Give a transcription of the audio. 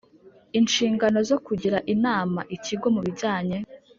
inshingano zo kugira inama Ikigo mu bijyanye